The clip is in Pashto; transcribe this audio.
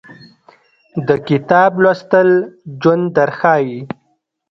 د کتاب لوستل ژوند درښایي